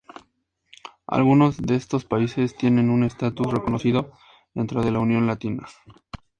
Algunos de estos países tienen un estatus reconocido dentro de la Unión Latina.